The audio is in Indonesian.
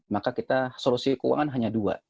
maka kita solusi keuangan hanya dua